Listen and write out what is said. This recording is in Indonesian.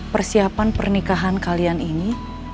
persiapan pernikahan kalian ini